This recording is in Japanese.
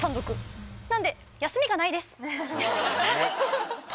なんで休みがないです。